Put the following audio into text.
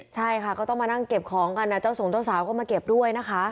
ใช่ค่ะก็ต้องมานั่งเก็บของกันเจ้าส่งเจ้าสาวก็มาเก็บด้วยนะคะ